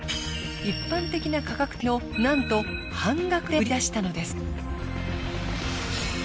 一般的な価格帯のなんと半額で売り出したのです。